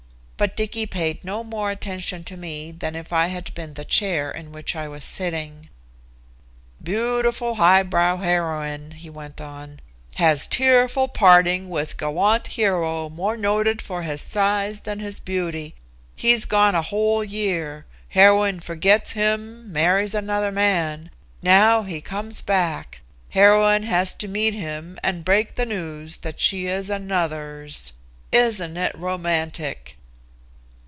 But Dicky paid no more attention to me than if I had been the chair in which I was sitting. "Beautiful highbrow heroine," he went on, "has tearful parting with gallant hero more noted for his size than his beauty. He's gone a whole year. Heroine forgets him, marries another man. Now he comes back, heroine has to meet him and break the news that she is another's. Isn't it romantic?"